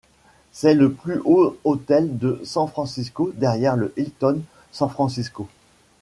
C'est le plus haut hôtel de San Francisco derrière le Hilton San Francisco.